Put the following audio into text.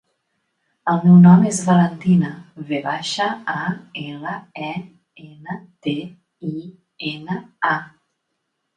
El meu nom és Valentina: ve baixa, a, ela, e, ena, te, i, ena, a.